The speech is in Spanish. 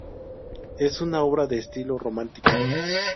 Es una obra de estilo románico.